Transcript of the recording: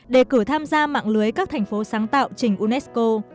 đề cử tham gia mạng lưới các thành phố sáng tạo trình unesco